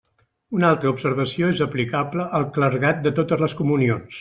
Una altra observació és aplicable al clergat de totes les comunions.